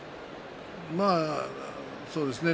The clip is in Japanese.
まあそうですね。